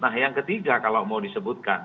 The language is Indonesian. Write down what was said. nah yang ketiga kalau mau disebutkan